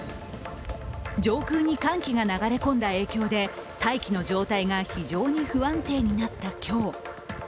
上空に寒気が流れ込んだ影響で大気の状態が非常に不安定になった今日。